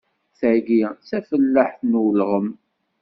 Tagi d tafellaḥt n ulɣem.